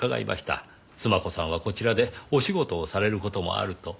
須磨子さんはこちらでお仕事をされる事もあると。